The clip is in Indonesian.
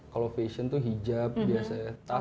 kalau fashion tuh hijab biasanya tas